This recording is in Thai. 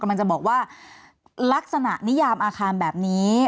กำลังจะบอกว่าลักษณะนิยามอาคารแบบนี้